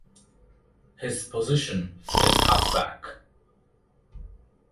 His position is Halfback.